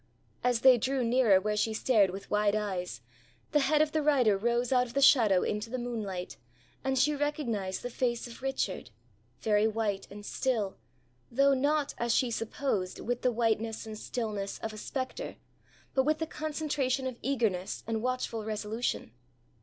As they drew nearer where she stared with wide eyes, the head of the rider rose out of the shadow into the moonlight, and she recognised the face of Richard very white and still, though not, as she supposed, with the whiteness and stillness of a spectre, but with the concentration of eagerness and watchful resolution.